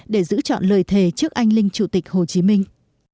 để giữ chọn lời thề trước anh linh chủ tịch hồ chí minh